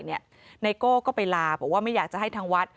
ไนโก้ก็ไปลาบอกว่าไม่อยากจะให้ทางวัด